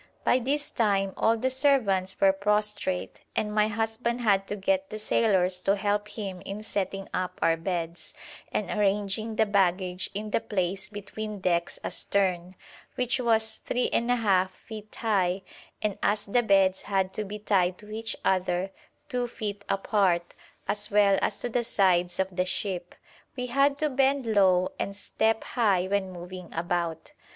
By this time all the servants were prostrate, and my husband had to get the sailors to help him in setting up our beds, and arranging the baggage in the place between decks astern, which was 3½ feet high, and, as the beds had to be tied to each other, 2 feet apart, as well as to the sides of the ship, we had to bend low and step high when moving about.